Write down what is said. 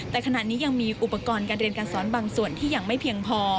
แต่ขณะนี้ยังมีอุปกรณ์การเรียนการสอนบางส่วนที่ยังไม่เพียงพอ